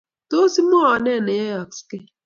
Tos, imwowon ne neyeyosgei?